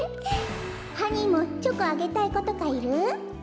ハニーもチョコあげたいことかいる？